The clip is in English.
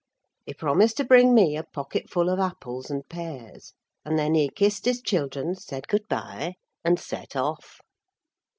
He promised to bring me a pocketful of apples and pears, and then he kissed his children, said good bye, and set off.